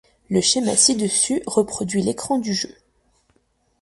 Le schéma ci-dessus reproduit l'écran du jeu.